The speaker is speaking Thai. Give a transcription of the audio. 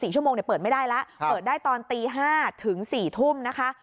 ๔ชั่วโมงเปิดไม่ได้แล้วเปิดได้ตอนตี๕ถึง๔ทุ่มนะคะ